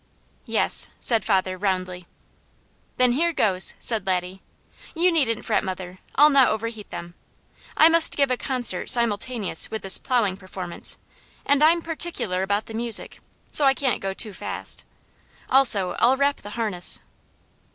"Yes!" said father roundly. "Then here goes!" said Laddie. "You needn't fret, mother. I'll not overheat them. I must give a concert simultaneous with this plowing performance, and I'm particular about the music, so I can't go too fast. Also, I'll wrap the harness."